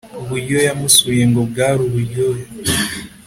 uburyo yamusuye ngo byaruburyohe